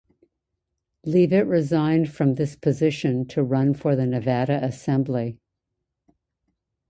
Leavitt resigned from this position to run for the Nevada Assembly.